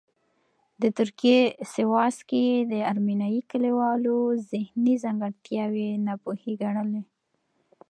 د ترکیې سیواس کې یې د ارمینیايي کلیوالو ذهني ځانګړتیاوې ناپوهې ګڼلې.